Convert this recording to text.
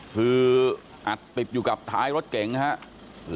คืออัดติดอยู่กับท้ายรถเก่งนะครับ